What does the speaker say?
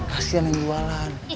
kasian yang jualan